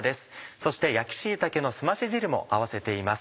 そして焼き椎茸のすまし汁も合わせています。